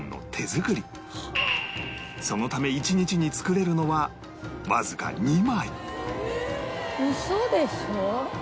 そのため１日に作れるのはわずか２枚